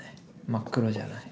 真っ黒じゃない。